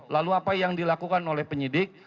lalu apa yang dilakukan oleh penyidik